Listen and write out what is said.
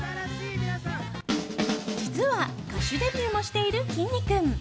実は、歌手デビューもしているきんに君。